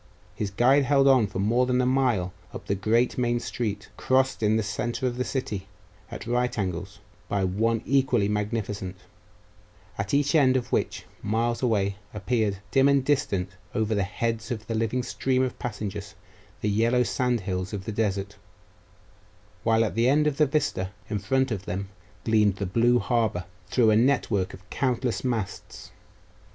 His guide held on for more than a mile up the great main street, crossed in the centre of the city, at right angles, by one equally magnificent, at each end of which, miles away, appeared, dim and distant over the heads of the living stream of passengers, the yellow sand hills of the desert; while at the end of the vista in front of them gleamed the blue harbour, through a network of countless masts.